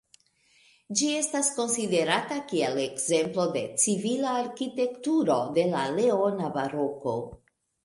Ĝi estas konsiderata kiel ekzemplo de civila arkitekturo de la leona baroko.